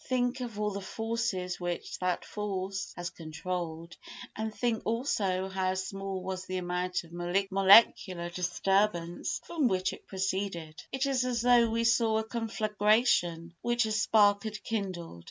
Think of all the forces which that force has controlled, and think, also, how small was the amount of molecular disturbance from which it proceeded. It is as though we saw a conflagration which a spark had kindled.